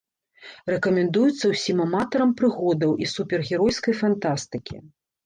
Рэкамендуецца ўсім аматарам прыгодаў і супергеройскай фантастыкі.